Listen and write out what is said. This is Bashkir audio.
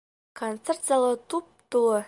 Концерт залы туп-тулы